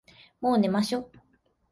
もう寝ましょ。